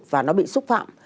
và nó bị xúc phạm